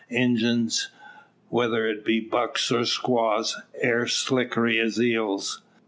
Injuns, whether it be bucks or squaws, air slickery as eels.